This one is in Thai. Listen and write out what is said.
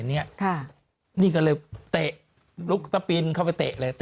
นี่ก็เลยเตะลุกตะปินเข้าไปเตะเลยเตะ